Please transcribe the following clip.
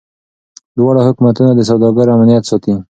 دواړه حکومتونه د سوداګرو امنیت ساتي.